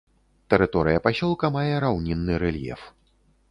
Тэрыторыя пасёлка мае раўнінны рэльеф.